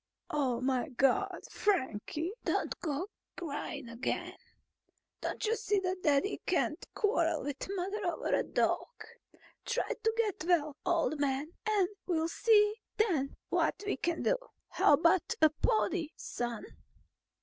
"Oh, my God, Frankie, don't go to crying again! Don't you see that Daddy can't quarrel with Mother over a dog? Try to get well, old man, and we'll see then what we can do. How about a pony, son?"